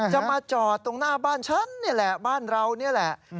จะมาจอดตรงหน้าบ้านฉันนี่แหละบ้านเรานี่แหละ